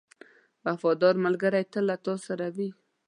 • وفادار ملګری تل تا سره وي.